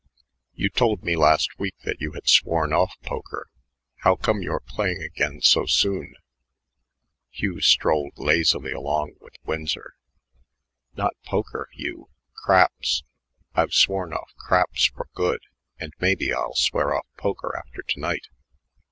"You told me last week that you had sworn off poker. How come you're playing again so soon?" Hugh strolled lazily along with Winsor. "Not poker, Hugh craps. I've sworn off craps for good, and maybe I'll swear off poker after to night.